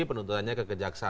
penuntutannya ke kejaksaan